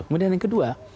kemudian yang kedua